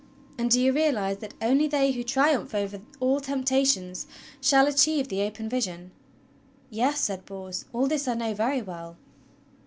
And do you realize that only they who triumph over all temptations shall achieve the open vision?" "Yes," said Bors, "all this I know very well."